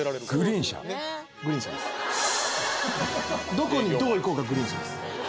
どこにどう行こうがグリーン車です